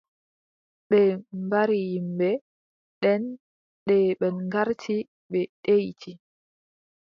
Ɓe mbari yimɓe. Nden, nde ɓen garti ɓe deʼiti.